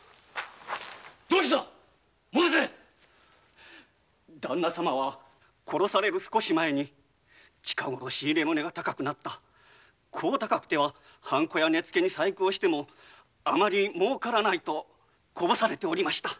どうした申せダンナ様は殺される少し前に「近ごろ仕入れの値が高くなりこう高くてはハンコや根つけに細工をしてももうからない」とこぼされておりました。